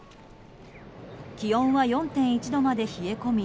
気温は４．１度まで冷え込み